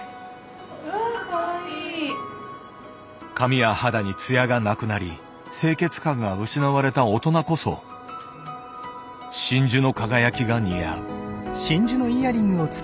髪や肌に艶がなくなり清潔感が失われた大人こそ真珠の輝きが似合う。